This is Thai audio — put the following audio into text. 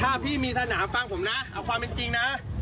ถ้าพี่มีสนามฟังผมนะเอาความเป็นจริงนะ